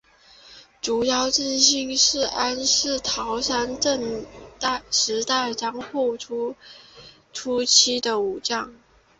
竹腰正信是安土桃山时代至江户时代初期的武将。